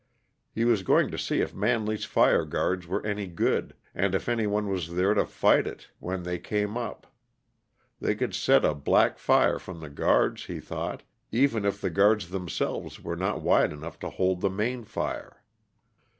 He was going to see if Manley's fire guards were any good, and if anyone was there ready to fight it when it came up; they could set a back fire from the guards, he thought, even if the guards themselves were not wide enough to hold the main fire.